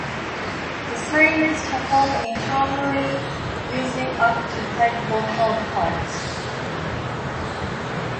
The singers perform in harmony using up to five vocal parts.